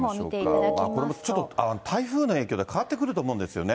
これもちょっと、台風の影響で変わってくると思うんですよね。